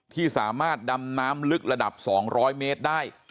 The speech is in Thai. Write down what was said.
ที่สามารถดำน้ำลึกระดับ๒๐๐เมตรได้